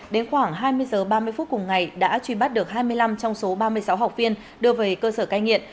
đến khoảng hai mươi h ba mươi phút cùng ngày đã truy bắt được hai mươi năm trong số ba mươi sáu học viên đưa về cơ sở cai nghiện